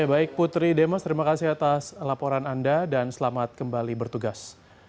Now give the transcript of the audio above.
baik putri demas terima kasih atas laporan anda dan selamat kembali bertugas